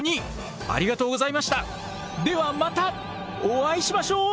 ではまたお会いしましょう！